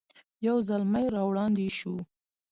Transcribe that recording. یو زلمی را وړاندې شو.